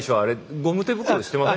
ゴム手袋してません？